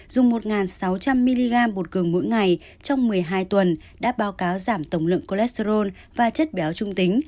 dùng một sáu trăm linh mg bột cường mỗi ngày trong một mươi hai tuần đã báo cáo giảm tổng lượng cholesterol và chất béo trung tính